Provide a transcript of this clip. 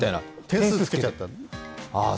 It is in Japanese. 点数つけちゃった。